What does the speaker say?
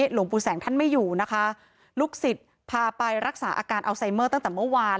หลวงปู่แสงท่านไม่อยู่นะคะลูกศิษย์พาไปรักษาอาการอัลไซเมอร์ตั้งแต่เมื่อวาน